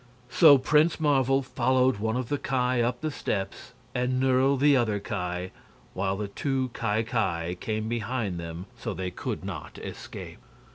So Prince Marvel followed one of the Ki up the steps and Nerle the other Ki, while the two Ki Ki came behind them so they could not escape.